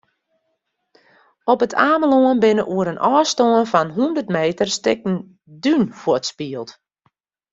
Op It Amelân binne oer in ôfstân fan hûndert meter stikken dún fuortspield.